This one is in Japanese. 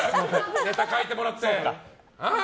ネタ書いてもらって。